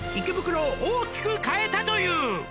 「池袋を大きく変えたという」